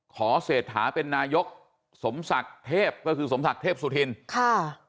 เศรษฐาเป็นนายกสมศักดิ์เทพก็คือสมศักดิ์เทพสุธินค่ะ